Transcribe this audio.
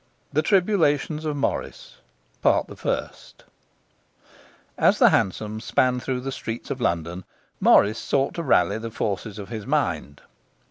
The Tribulations of Morris: Part the First As the hansom span through the streets of London, Morris sought to rally the forces of his mind.